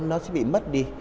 nó sẽ bị mất đi